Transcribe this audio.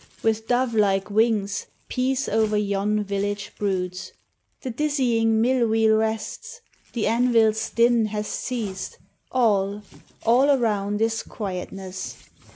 With dovelike wings Peace o'er yon village broods ; The dizzying mill wheel rests; the anvil's din Hath ceased; all, all around is quietness.